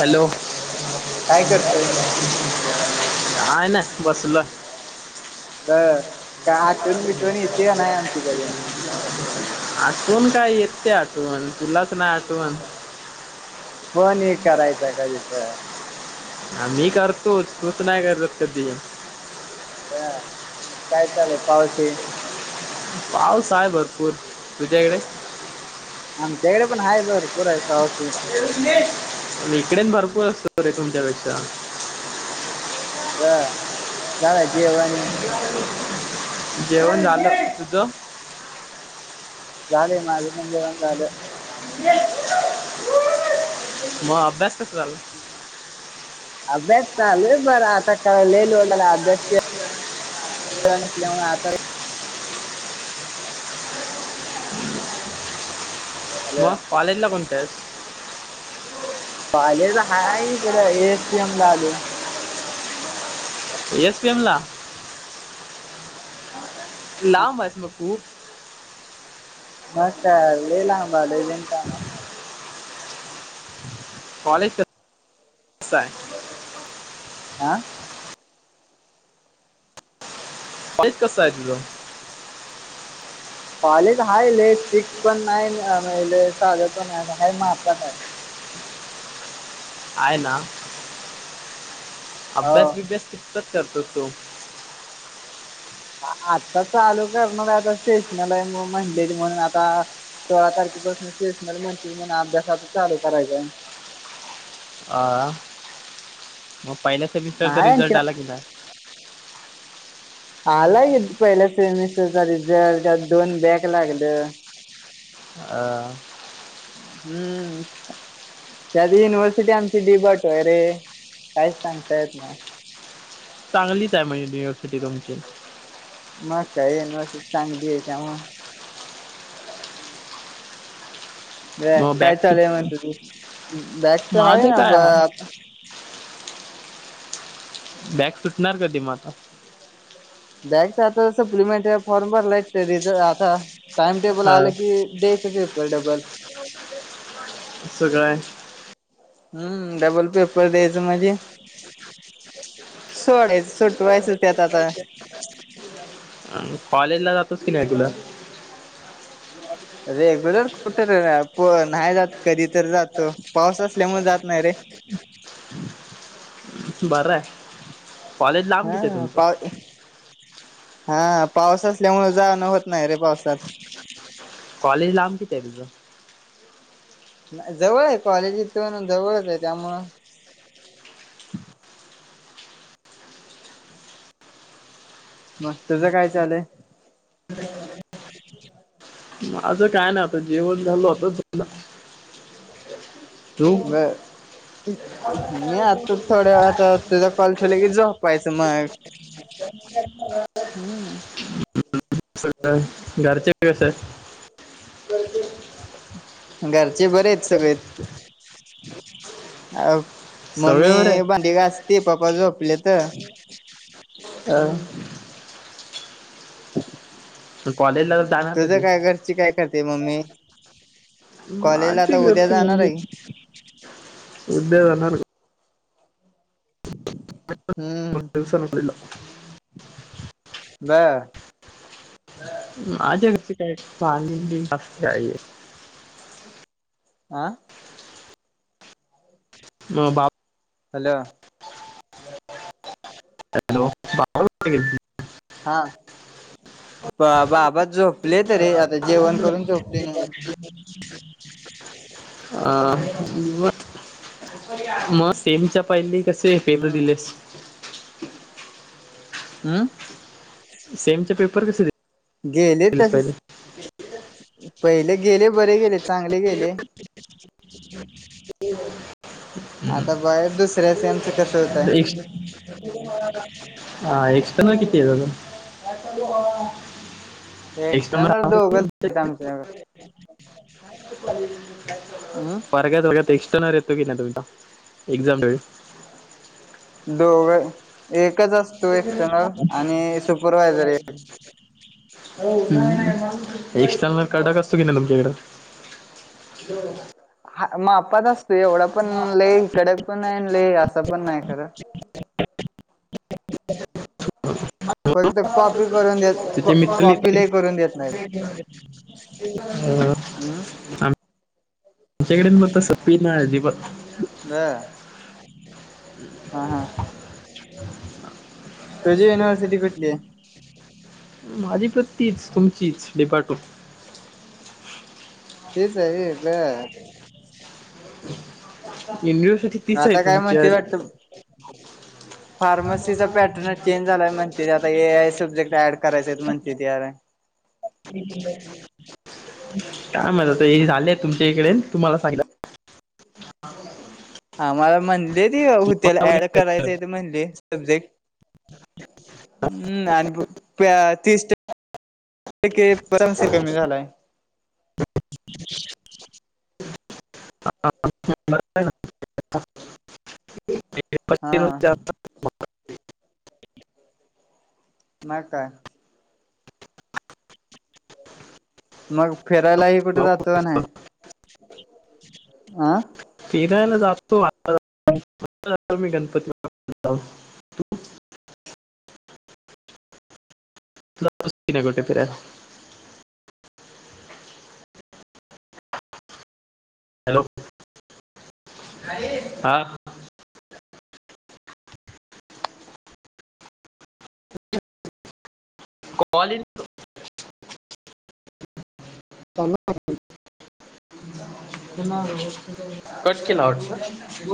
Hello. काय करतोय? काय नाही बसलोय. बर का आठवण बिटवण येते का नाही आमच्याकडे [inaudible] आठवण काय ये ते आठवण तुलाच नाही आठवण. फोन एक करायचा कधी तर. आ मी करतो तूच नाही करत कधी. ब, मग काय चालेय पाव [unintelligible] पाऊस आहे भरपूर, तुझ्याकडे? आमच्याकडे पण आहे भरपूर आहे पाव तेन. इकडेन भरपूर असतो र तुमच्यापेक्षा. ब झालं जेवा आणि जेवण झालं, तुझं? झालंय माझं पण जेवण झालं. [inaudible] मग अभ्यास कस चाल अभ्यास चाललंय बरा आता काय लई लोड अभ्यास [unintelligible] मुळे आता मग हॅलो कॉलेज ला कोणत्या आहेस? कॉलेज हाय इकड एसी एम ला आलोय. ए एस पी एम ला. लांब आहेस मग खूप‌ मग काय लय लांब आलोय [unintelligible] कॉलेज कसाय? आं. कॉलेज कस आहे तुझं? कॉलेज हाय लई सिक्स पण नाई न साधर पण [unintelligible] हाय मापात आहे. आहे ना, हो अभ्यास बिभ्यास कितपत करतो तू. आता चालू करणार आहे आता स्टेशनल लाय म म्हणलेली म्हणून आता सोळा तारखेपासून सेस्नल म्हणतील म्हणून अभ्यासच चालू करायचाय. आ, मग पहिल्या सेमिस्टरचा नाही आणखी रिझल्ट आला की नाही? आला की पहिल्या सेमिस्टरचा रिझल्ट त्यात दोन बॅक लागलं. आ. हम्म. त्यात युनिव्हर्सिटी आमची डिबट आयरे, काय सांगता येत नाही. चांगलीच आहे म युनिव्हर्सिटी तुमची. मग काय युनिव्हर्सिटी चांगली आहे त्यामुळ ब मग काय बॅग चा [unintelligible] सुट म्हणत तू, बॅग च हाय माझं ना काय ब आहे बॅक सुटणार कधी म आता? बॅगच आता सप्लिमेंट फॉर्म भर लाई [unintelligible] आता टाइम टेबल अ आलं की [unintelligible] येतोय डबल सगळ्यांची हम्म डबल पेपर द्यायचं म्हंजे सोडाय सुटवायचं त्यात आता आहे कॉलेजला जातोस की नाइ तुला रेग्युलर कुठ र प नाही जात कधी तर जातो पाऊस असल्यामुळे जात नाही रे. बराय कॉलेज लांब कितीय हा तुमचं? पाव हा पाऊस असल्यामुळ जाणं होत नाही रे पावसात कॉलेज लांब कितीय तुझं? जवळाय कॉलेज इथून जवळच हाय त्यामुळं म तुझं काय चालूय? माझं काय नाइ आता जेवण झालो आता झोपणार बरं मी आता थोड्या वेळात तुझा कॉल ठेवला की झोप [unintelligible] मग हम्म [unintelligible] घरचे कसे आहेत? [inaudible] घरचे बरेत सगळेत अ सगळे बरे मम्मी भांडी घासती पप्पा झोपल्यात हम्. आहे कॉलेजला जाणार तुझं कधी काय घरची काय करती मम्मी? कॉलेजला माझी आता उद्या [unintelligible] जाणार मम्मी आहे. उद्या होणार हम्म मटन संपलेलं बं माझ्या घरची काय [unintelligible] आं म बाप हॅलो. हॅलो [unintelligible] हा ब बाबा झोपलेत रे आ [inaudible] अं [unintelligible] सेमच्या पहिली कसे पेपर हम्म दिलेस? उं. सेमचे पेपर कसे गे गेले तसेस पहिले गेले बरे गेले चांगले गे ते. हम्म आता बघ दुसऱ्या सेमच कसं होतंय. [unintelligible] हा एक्स्टर्नल किती यात आजून एक्स्टर्नल दोघच आहेत आमच्या उं. सगळ्याच वर्गात एक्स्टर्नर येतो की नाइ तुमचा एक्झाम डे दोघय एकच असतू एक्सटर्नल आणि सुपरवायझर एक हम्म एक्स्टर्नल कडक असतो की नाय तुमच्याकड [unintelligible] हा मापात असतोय एवढा पण लय कडक पण नाय लय असा पण नाय खरा [inaudible] फक्त कॉपी करून देत [inaudible] किती मितलं [inaudible] कॉपी लय करून देत नाही हो हम्म आम् आमच्याकड म तस पीन अजिबा नया हा हा तुझी युनिव्हर्सिटी कुठलीये? माझी पण तीच तुमचीच डी पा टू तेच हाय रे युनिव्हर्सिटी तीच हाय आता काय म्हणते तुमचीवाली वाटतं [unintelligible] फार्मसीचा पॅटर्न चेंज झालाय म्हणतेत आता ए आय सब्जेक्ट ऍड करायचेत म्हणतेत ये आर काय माहित आता हे झालेत तुमच्या इकडे तुम्हाला सांगितला आम्हाला म्हणले ती हुत्याला ऍड करायचेत म्हणले सब्जेक्ट हम्म आणि बू पॅ तीस ट टक्के [unintelligible] कमी झालाय. [inaudible] हा [unintelligible] म काय मग फिरायलाही कुठ भाऊ. जातो कां नाय अं फिरायला जातो आता [unintelligible] मी गणपती [unintelligible] जाऊन तू जातोस की नाय कुठे फिरायला. हॅलो हा [unintelligible] कॉलीन [unintelligible] [unintelligible] कट केला वाटत